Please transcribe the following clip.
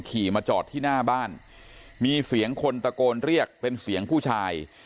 ขี่มาจอดที่หน้าบ้านมีเสียงคนตะโกนเรียกเป็นเสียงผู้ชาย